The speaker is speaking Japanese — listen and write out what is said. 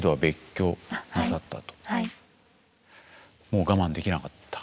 もう我慢できなかった？